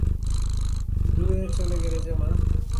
দূরে চলে গেলে যে মা?